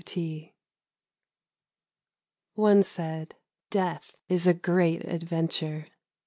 W. T. ONE said, —' Death is a great adventure.'